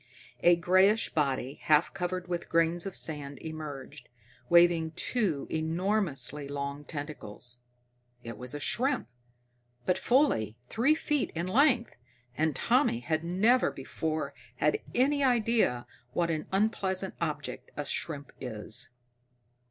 A grayish body, half covered with grains of sand emerged, waving two enormously long tentacles. It was a shrimp, but fully three feet in length, and Tommy had never before had any idea what an unpleasant object a shrimp is.